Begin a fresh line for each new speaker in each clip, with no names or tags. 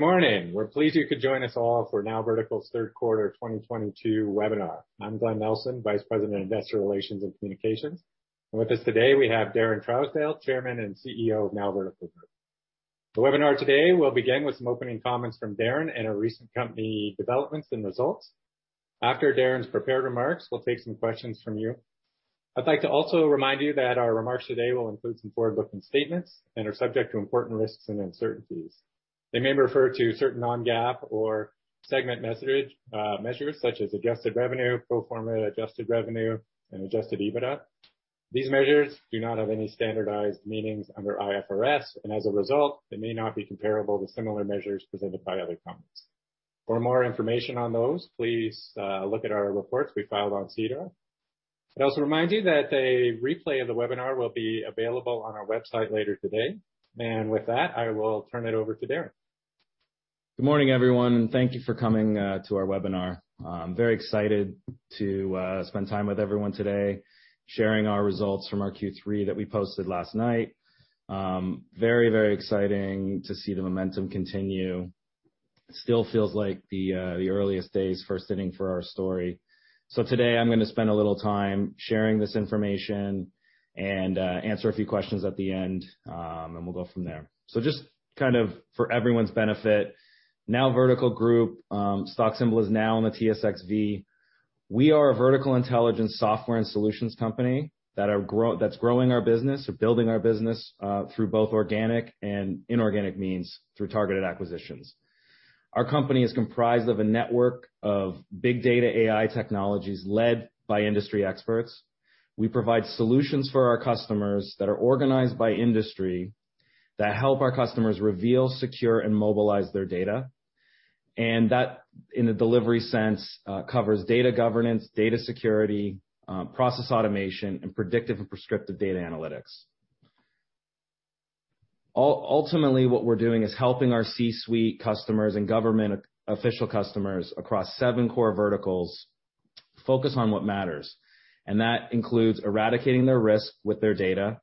Morning. We're pleased you could join us all for NowVertical's Third Quarter 2022 Webinar. I'm Glen Nelson, Vice President of Investor Relations and Communications. With us today, we have Daren Trousdell, Chairman and CEO of NowVertical Group Inc. The webinar today will begin with some opening comments from Daren and our recent company developments and results. After Daren's prepared remarks, we'll take some questions from you. I'd like to also remind you that our remarks today will include some forward-looking statements and are subject to important risks and uncertainties. They may refer to certain non-GAAP or segment measures such as Adjusted Revenue, pro forma Adjusted Revenue, and Adjusted EBITDA. These measures do not have any standardized meanings under IFRS, and as a result, they may not be comparable to similar measures presented by other companies. For more information on those, please look at our reports we filed on SEDAR. I'd also remind you that a replay of the webinar will be available on our website later today. With that, I will turn it over to Daren.
Good morning, everyone, and thank you for coming to our webinar. Very excited to spend time with everyone today, sharing our results from our Q3 that we posted last night. Very, very exciting to see the momentum continue. Still feels like the earliest days, first inning for our story. Today, I'm gonna spend a little time sharing this information and answer a few questions at the end, and we'll go from there. Just kind of for everyone's benefit, NowVertical Group, stock symbol is NOW on the TSXV. We are a vertical intelligence software and solutions company that's growing our business or building our business through both organic and inorganic means through targeted acquisitions. Our company is comprised of a network of Big Data AI technologies led by industry experts. We provide solutions for our customers that are organized by industry that help our customers reveal, secure, and mobilize their data. That, in a delivery sense, covers Data Governance, Data Security, Process Automation, and Predictive and Prescriptive Data Analytics. Ultimately, what we're doing is helping our C-Suite customers and government official customers across seven core verticals focus on what matters. That includes eradicating their risk with their data,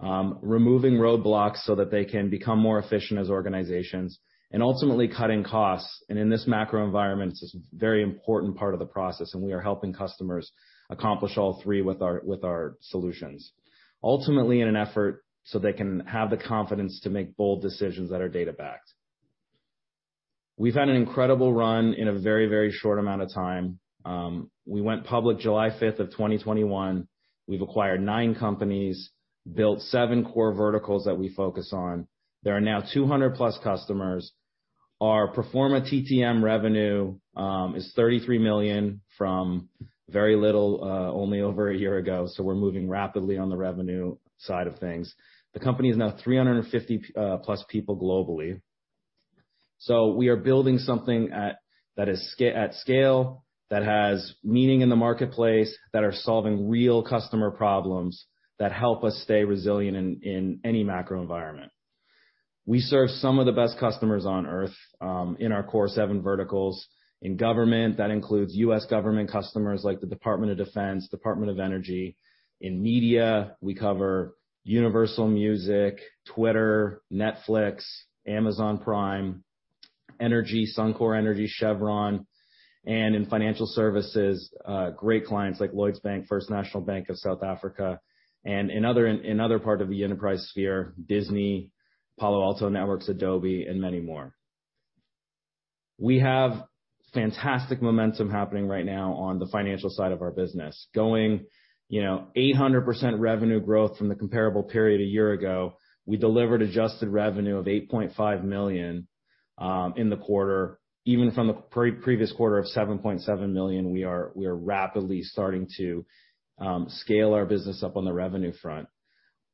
removing roadblocks so that they can become more efficient as organizations, and ultimately cutting costs. In this macro environment, this is a very important part of the process, and we are helping customers accomplish all three with our solutions. Ultimately, in an effort so they can have the confidence to make bold decisions that are data-backed. We've had an incredible run in a very short amount of time. We went public July 5th of 2021. We've acquired nine companies, built seven core verticals that we focus on. There are now 200+ customers. Our pro forma TTM revenue is 33 million from very little, only over a year ago. We're moving rapidly on the revenue side of things. The company is now 350+ people globally. We are building something at scale that has meaning in the marketplace, that are solving real customer problems that help us stay resilient in any macro environment. We serve some of the best customers on Earth in our core seven verticals. In government, that includes U.S. government customers like the Department of Defense, Department of Energy. In media, we cover Universal Music, Twitter, Netflix, Amazon Prime, Energy, Suncor Energy, Chevron, and in financial services, great clients like Lloyds Bank, First National Bank of South Africa, and in other part of the enterprise sphere, Disney, Palo Alto Networks, Adobe, and many more. We have fantastic momentum happening right now on the financial side of our business. Going, you know, 800% revenue growth from the comparable period a year ago, we delivered Adjusted Revenue of 8.5 million in the quarter. Even from the pre-previous quarter of 7.7 million, we are rapidly starting to scale our business up on the revenue front.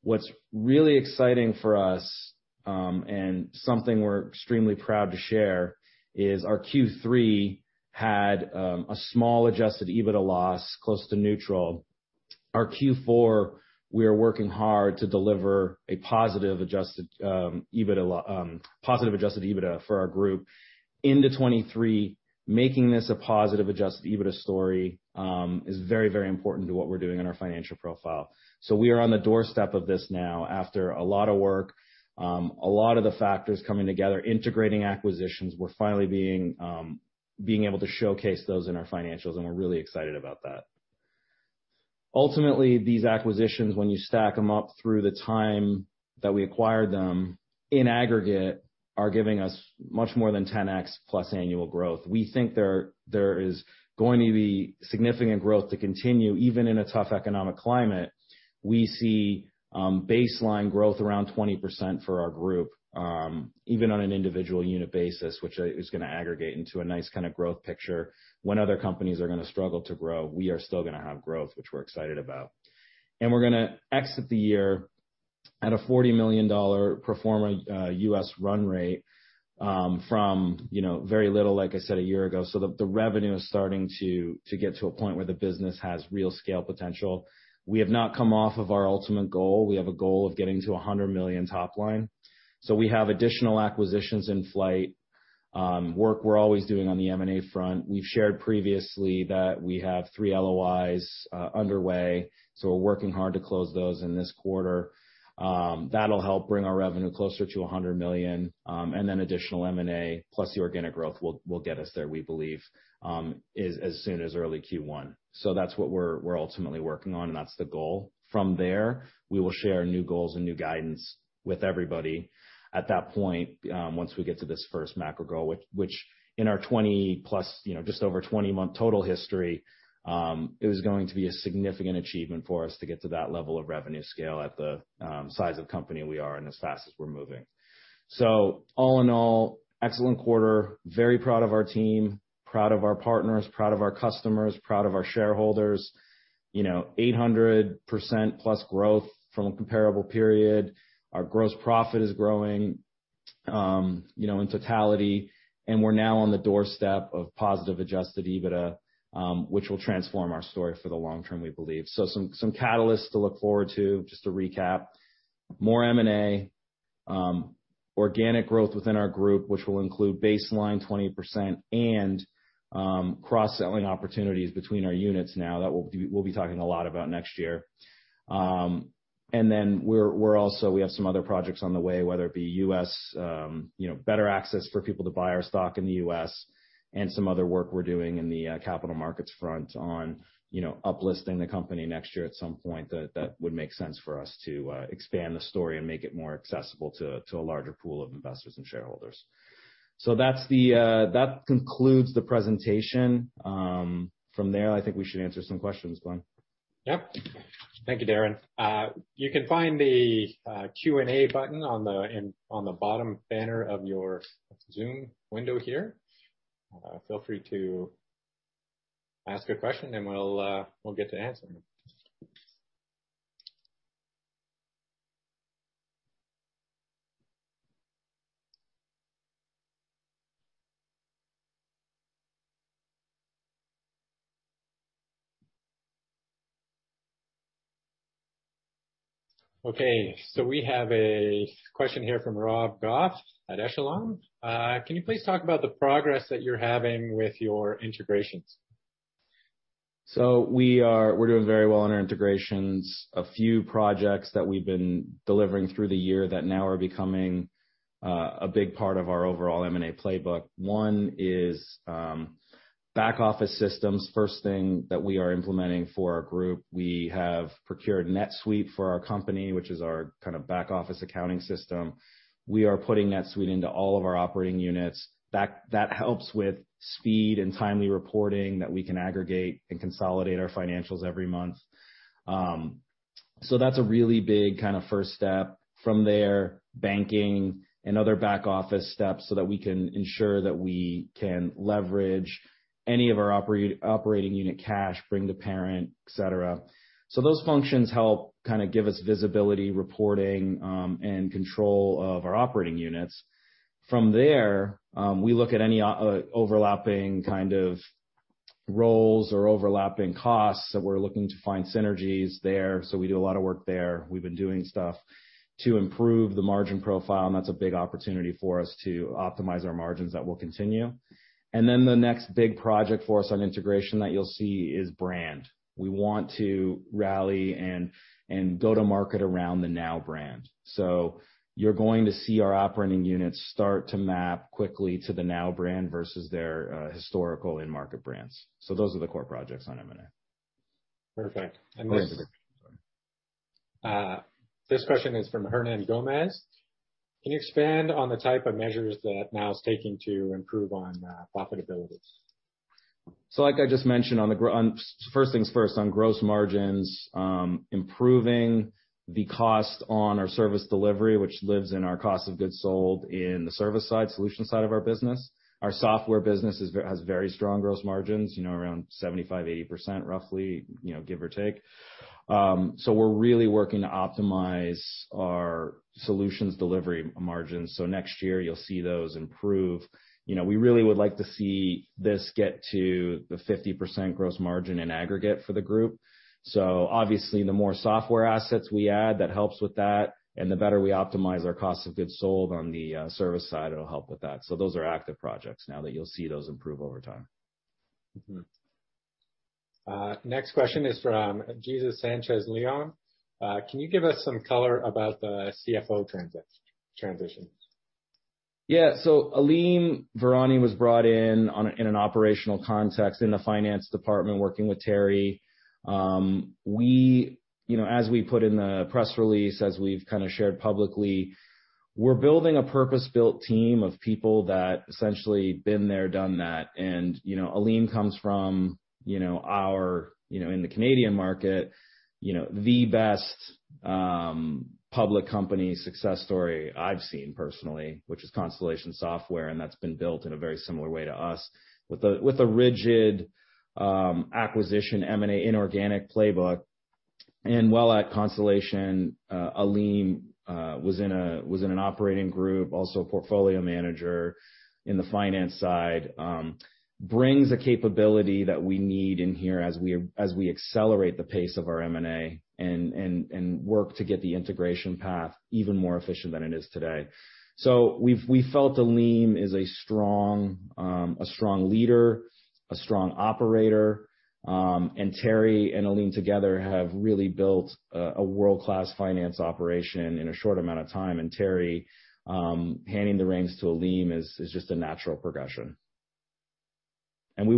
What's really exciting for us and something we're extremely proud to share is our Q3 had a small Adjusted EBITDA Loss close to neutral. Our Q4, we are working hard to deliver a positive Adjusted EBITDA for our group into 2023. Making this a positive Adjusted EBITDA story is very, very important to what we're doing in our financial profile. We are on the doorstep of this now after a lot of work, a lot of the factors coming together, integrating acquisitions. We're finally being able to showcase those in our financials, and we're really excited about that. Ultimately, these acquisitions, when you stack them up through the time that we acquired them in aggregate, are giving us much more than 10x+ annual growth. We think there is going to be significant growth to continue even in a tough economic climate. We see baseline growth around 20% for our group, even on an individual unit basis, which is gonna aggregate into a nice kinda growth picture. When other companies are gonna struggle to grow, we are still gonna have growth, which we're excited about. We're gonna exit the year at a $40 million pro forma U.S. run rate from, you know, very little, like I said, a year ago. The revenue is starting to get to a point where the business has real scale potential. We have not come off of our ultimate goal. We have a goal of getting to 100 million top line. We have additional acquisitions in flight. Work we're always doing on the M&A front. We've shared previously that we have three LOIs underway, so we're working hard to close those in this quarter. That'll help bring our revenue closer to 100 million. Additional M&A plus the organic growth will get us there, we believe, as soon as early Q1. That's what we're ultimately working on, and that's the goal. From there, we will share new goals and new guidance with everybody at that point once we get to this first macro goal. In our 20-plus, you know, just over 20-month total history, it was going to be a significant achievement for us to get to that level of revenue scale at the size of company we are and as fast as we're moving. All in all, excellent quarter. Very proud of our team, proud of our partners, proud of our customers, proud of our shareholders. You know, 800%+ growth from a comparable period. Our Gross Profit is growing, you know, in totality, and we're now on the doorstep of positive Adjusted EBITDA, which will transform our story for the long term, we believe. Some catalysts to look forward to, just to recap. More M&A, organic growth within our group, which will include baseline 20% and cross-selling opportunities between our units now that we'll be talking a lot about next year. We have some other projects on the way, whether it be U.S., you know, better access for people to buy our stock in the U.S. and some other work we're doing in the capital markets front on, you know, uplisting the company next year at some point that would make sense for us to expand the story and make it more accessible to a larger pool of investors and shareholders. That concludes the presentation. From there, I think we should answer some questions, Glen.
Yep. Thank you, Daren. You can find the Q&A button on the bottom banner of your Zoom window here. Feel free to ask a question and we'll get to answering them. Okay. We have a question here from Rob Goff at Echelon. Can you please talk about the progress that you're having with your integrations?
We're doing very well on our integrations. A few projects that we've been delivering through the year that now are becoming a big part of our overall M&A playbook. One is back-office systems. First thing that we are implementing for our group. We have procured NetSuite for our company, which is our kinda back-office accounting system. We are putting NetSuite into all of our operating units. That helps with speed and timely reporting that we can aggregate and consolidate our financials every month. That's a really big kinda first step. From there, banking and other back-office steps so that we can ensure that we can leverage any of our Operating Unit Cash, bring to parent, et cetera. Those functions help kinda give us visibility, reporting, and control of our operating units. From there, we look at any overlapping kind of roles or overlapping costs that we're looking to find synergies there, so we do a lot of work there. We've been doing stuff to improve the Margin Profile, and that's a big opportunity for us to optimize our margins. That will continue. The next big project for us on integration that you'll see is brand. We want to rally and go to market around the Now brand. You're going to see our operating units start to map quickly to the Now brand versus their historical end market brands. Those are the core projects on M&A.
Perfect.
Great.
This question is from Hernán Gómez. Can you expand on the type of measures that Now's taking to improve on profitability?
Like I just mentioned on first things first, on gross margins, improving the cost on our service delivery, which lives in our Cost of Goods Sold in the service side, solutions side of our business. Our software business has very strong gross margins, you know, around 75% to 80% roughly, you know, give or take. We're really working to optimize our solutions delivery margins, so next year you'll see those improve. You know, we really would like to see this get to the 50% gross margin in aggregate for the group. Obviously the more Software Assets we add, that helps with that, and the better we optimize our Cost of Goods Sold on the service side, it'll help with that. Those are active projects now that you'll see those improve over time.
Next question is from Jesús Sánchez León. Can you give us some color about the CFO transition?
Yeah. Alim Virani was brought in in an operational context in the finance department, working with Terry. You know, as we put in the press release, as we've kinda shared publicly, we're building a purpose-built team of people that essentially been there, done that. You know, Alim comes from, you know, in the Canadian market, you know, the best public company success story I've seen personally, which is Constellation Software, and that's been built in a very similar way to us with a rigid acquisition M&A inorganic playbook. While at Constellation, Alim was in an operating group, also a Portfolio Manager in the Finance side, brings a capability that we need in here as we accelerate the pace of our M&A and work to get the integration path even more efficient than it is today. We felt Alim is a strong leader, a strong operator, and Terry and Alim together have really built a world-class finance operation in a short amount of time. Terry, handing the reins to Alim is just a natural progression. We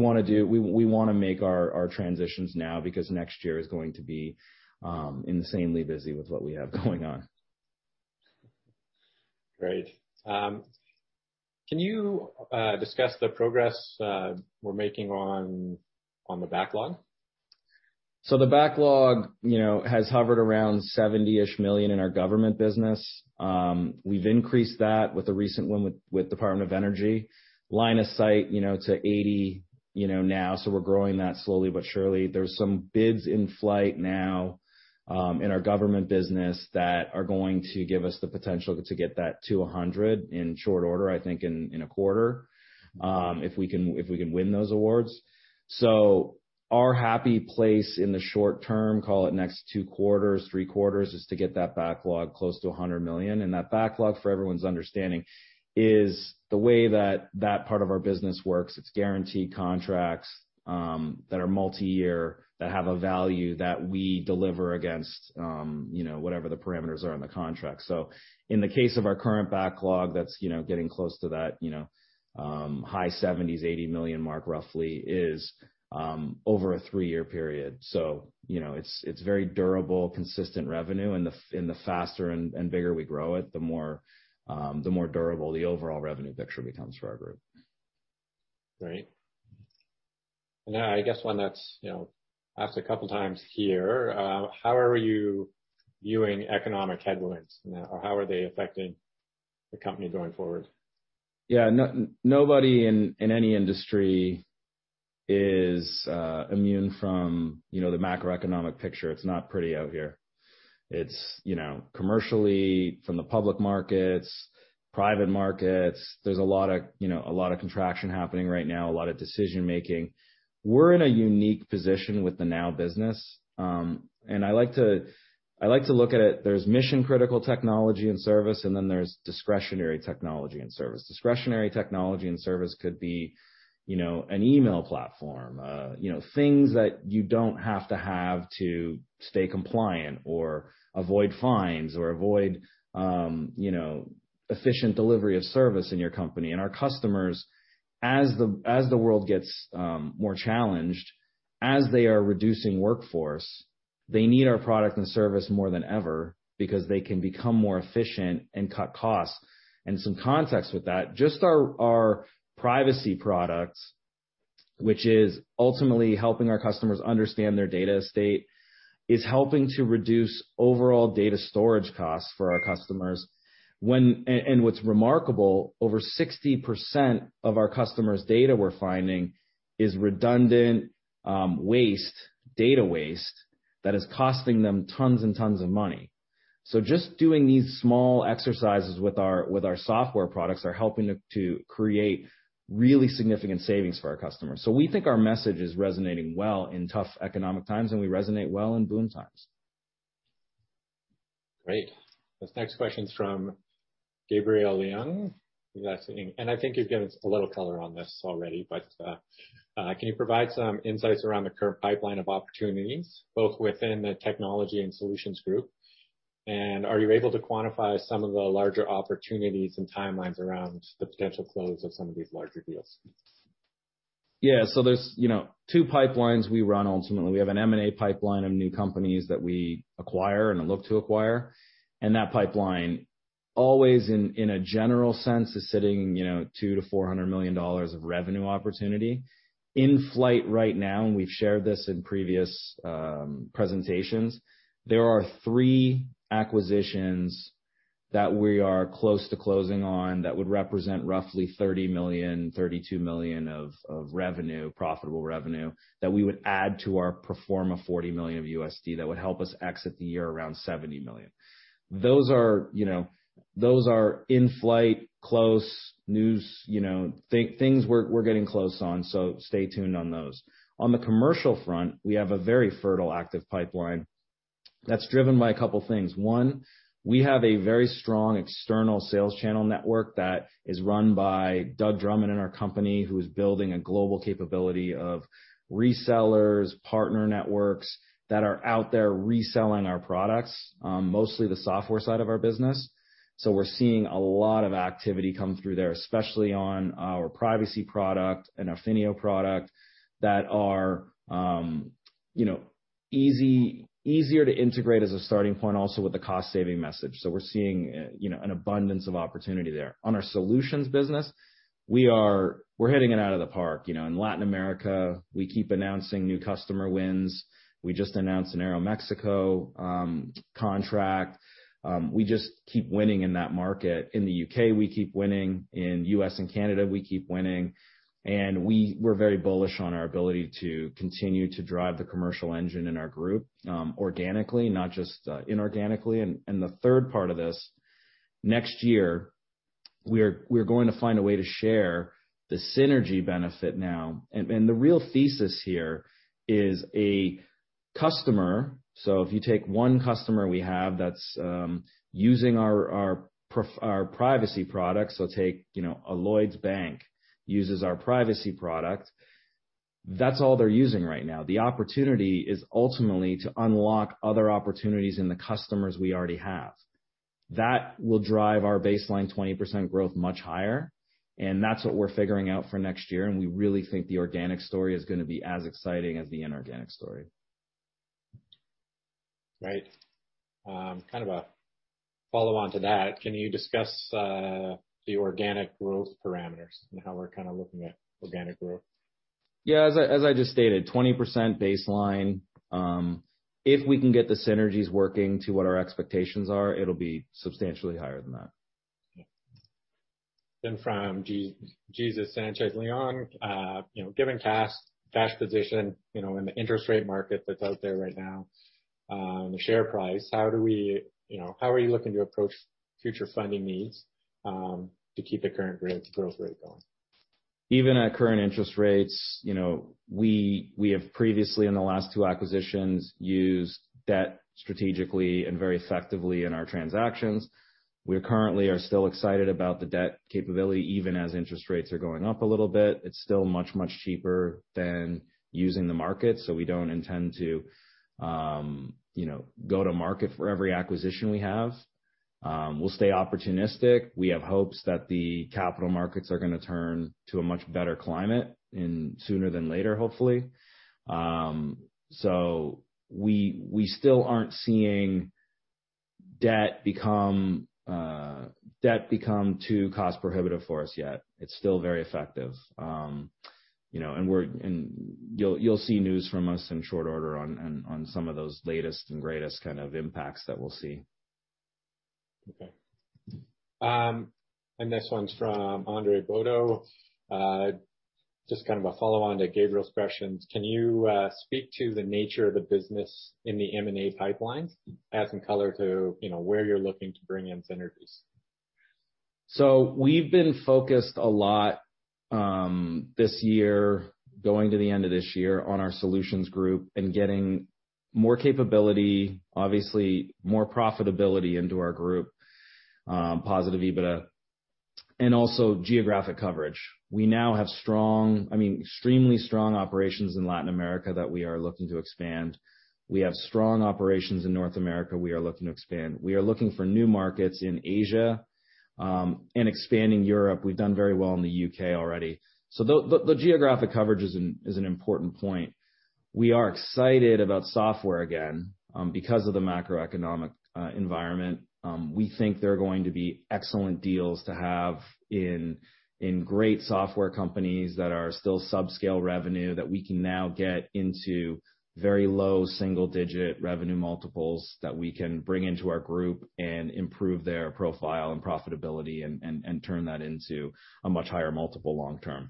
wanna make our transitions now because next year is going to be insanely busy with what we have going on.
Great. Can you discuss the progress we're making on the backlog?
The backlog, you know, has hovered around 70-ish million in our government business. We've increased that with the recent win with Department of Energy. Line of sight, you know, to 80, you know, now, so we're growing that slowly but surely. There's some bids in flight now in our government business that are going to give us the potential to get that to 100 in short order, I think in a quarter if we can win those awards. Our happy place in the short term, call it next two quarters, three quarters, is to get that backlog close to 100 million. That backlog, for everyone's understanding, is the way that that part of our business works. It's guaranteed contracts, that are multiyear, that have a value that we deliver against, you know, whatever the parameters are in the contract. So in the case of our current backlog, that's, you know, getting close to that, you know, high seventies, eighty million mark roughly is, over a three-year period. So, you know, it's very durable, consistent revenue, and the faster and bigger we grow it, the more, the more durable the overall revenue picture becomes for our group.
Great. Now I guess one that's, you know, asked a couple times here, how are you viewing economic headwinds now? How are they affecting the company going forward?
Yeah. Nobody in any industry is immune from, you know, the macroeconomic picture. It's not pretty out here. It's, you know, commercially, from the public markets, private markets, there's, you know, a lot of contraction happening right now, a lot of decision-making. We're in a unique position with the NOW business. I like to look at it, there's Mission-Critical technology and service, and then there's discretionary technology and service. Discretionary technology and service could be, you know, an email platform, you know, things that you don't have to stay compliant or avoid fines or provide, you know, efficient delivery of service in your company. Our customers, as the world gets more challenged, as they are reducing workforce, they need our product and service more than ever because they can become more efficient and cut costs. Some context with that, just our privacy products, which is ultimately helping our customers understand their Data Estate, is helping to reduce overall data storage costs for our customers. What's remarkable, over 60% of our customers' data we're finding is redundant, data waste, that is costing them tons and tons of money. Just doing these small exercises with our software products are helping to create really significant savings for our customers. We think our message is resonating well in tough economic times, and we resonate well in boom times.
Great. This next question is from Gabriel Leung. He's asking, and I think you've given us a little color on this already, but can you provide some insights around the current pipeline of opportunities, both within the Technology and Solutions Group? Are you able to quantify some of the larger opportunities and timelines around the potential close of some of these larger deals?
Yeah. There's, you know, two pipelines we run ultimately. We have an M&A pipeline of new companies that we acquire and look to acquire, and that pipeline always in a general sense is sitting, you know, $200 million to $400 million of revenue opportunity. In flight right now, and we've shared this in previous presentations, there are three acquisitions that we are close to closing on that would represent roughly $30 million, $32 million of revenue, profitable revenue, that we would add to our pro forma $40 million that would help us exit the year around $70 million. Those are, you know, those are in-flight, close, news, you know, things we're getting close on. Stay tuned on those. On the commercial front, we have a very fertile, active pipeline that's driven by a couple things. One, we have a very strong external sales channel network that is run by Doug Drummond in our company, who is building a global capability of resellers, partner networks that are out there reselling our products, mostly the software side of our business. We're seeing a lot of activity come through there, especially on our privacy product and Affinio product that are, you know, easier to integrate as a starting point also with the cost-saving message. We're seeing, you know, an abundance of opportunity there. On our solutions business, we're hitting it out of the park. You know, in Latin America, we keep announcing new customer wins. We just announced an Aeroméxico contract. We just keep winning in that market. In the U.K., we keep winning. In U.S. and Canada, we keep winning. We're very bullish on our ability to continue to drive the commercial engine in our group organically, not just inorganically. We're going to find a way to share the synergy benefit now. The real thesis here is a customer. If you take one customer we have that's using our privacy products, take, you know, a Lloyds Bank uses our privacy product. That's all they're using right now. The opportunity is ultimately to unlock other opportunities in the customers we already have. That will drive our baseline 20% growth much higher, and that's what we're figuring out for next year, and we really think the organic story is gonna be as exciting as the inorganic story.
Right, kind of a follow-on to that. Can you discuss the organic growth parameters and how we're kinda looking at organic growth?
Yeah. As I just stated, 20% baseline. If we can get the synergies working to what our expectations are, it'll be substantially higher than that.
Then from Jesús Sánchez León. Given cash position, you know, in the interest rate market that's out there right now, and the share price, how do we, you know, how are you looking to approach future funding needs, to keep the current growth rate going?
Even at current interest rates, you know, we have previously in the last two acquisitions used debt strategically and very effectively in our transactions. We currently are still excited about the debt capability, even as interest rates are going up a little bit. It's still much cheaper than using the market, so we don't intend to, you know, go to market for every acquisition we have. We'll stay opportunistic. We have hopes that the capital markets are gonna turn to a much better climate and sooner than later, hopefully. We still aren't seeing debt become too cost-prohibitive for us yet. It's still very effective. You know, you'll see news from us in short order on some of those latest and greatest kind of impacts that we'll see.
Okay. This one's from Andre Garber, just kind of a follow-on to Gabriel's questions. Can you speak to the nature of the business in the M&A pipeline, adding color to, you know, where you're looking to bring in synergies?
We've been focused a lot this year, going to the end of this year, on our Solutions Group and getting more capability, obviously more profitability into our group, positive EBITDA, and also geographic coverage. We now have strong, I mean, extremely strong operations in Latin America that we are looking to expand. We have strong operations in North America we are looking to expand. We are looking for new markets in Asia and expanding Europe. We've done very well in the U.K. already. The geographic coverage is an important point. We are excited about software again because of the macroeconomic environment. We think there are going to be excellent deals to have in great software companies that are still subscale revenue that we can now get into very low single-digit revenue multiples that we can bring into our group and improve their profile and profitability and turn that into a much higher multiple long term.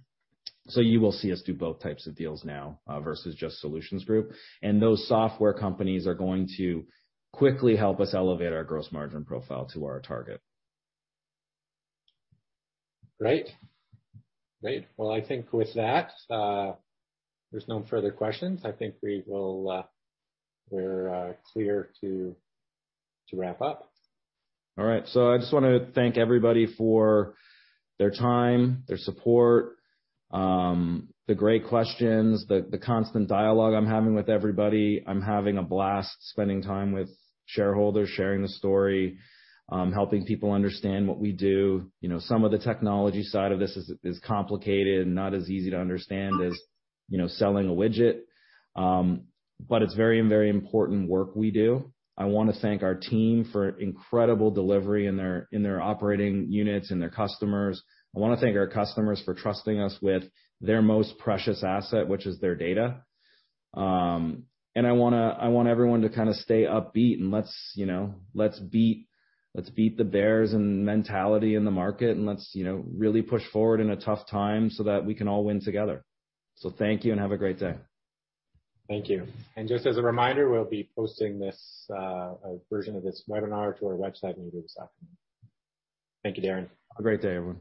You will see us do both types of deals now versus just Solutions Group. Those software companies are going to quickly help us elevate our Gross Margin Profile to our target.
Great. Well, I think with that, there's no further questions. We're clear to wrap up.
All right. I just wanna thank everybody for their time, their support, the great questions, the constant dialogue I'm having with everybody. I'm having a blast spending time with shareholders, sharing the story, helping people understand what we do. You know, some of the technology side of this is complicated and not as easy to understand as, you know, selling a widget. It's very, very important work we do. I wanna thank our team for incredible delivery in their operating units and their customers. I wanna thank our customers for trusting us with their most precious asset, which is their data. I want everyone to kinda stay upbeat, and let's, you know, beat the bearish mentality in the market, and let's, you know, really push forward in a tough time so that we can all win together. Thank you and have a great day.
Thank you. Just as a reminder, we'll be posting this version of this webinar to our website maybe this afternoon. Thank you, Daren.
Have a great day, everyone.